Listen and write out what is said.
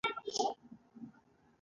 اعلامیه د مراسمو پر مهال ولوستل شوه.